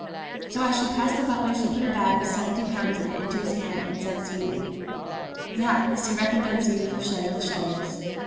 So as she passed the butler she put a bag with seventy pounds in it into his hand and said sweetly, "That is to recompense you for shutting the shutters."